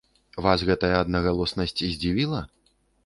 Вас гэтая аднагалоснасць здзівіла?